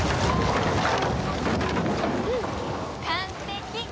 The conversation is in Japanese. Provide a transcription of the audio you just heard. うん完璧！